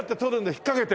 引っかけて。